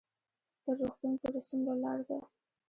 تر روغتون پورې څومره لار ده؟